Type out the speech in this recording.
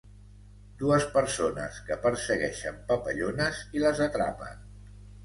Dues persones que persegueixen papallones i les atrapen.